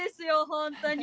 本当に。